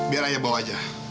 biar ayah bawa aja